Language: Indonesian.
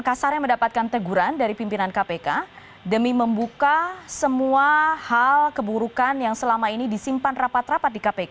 kasarnya mendapatkan teguran dari pimpinan kpk demi membuka semua hal keburukan yang selama ini disimpan rapat rapat di kpk